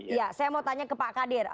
iya saya mau tanya ke pak kadir